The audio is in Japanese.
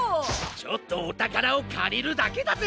ちょっとおたからをかりるだけだぜ！